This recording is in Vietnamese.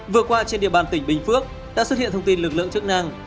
vừa qua trên địa bàn tỉnh bình phước đã xuất hiện thông tin lực lượng chức năng